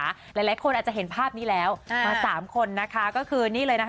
หลายคนอาจจะเห็นภาพนี้แล้วมาสามคนนะคะก็คือนี่เลยนะคะ